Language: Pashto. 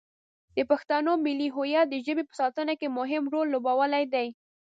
د پښتنو ملي هویت د ژبې په ساتنه کې مهم رول لوبولی دی.